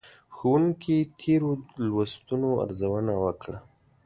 ښوونکي تېرو لوستونو ارزونه وکړه.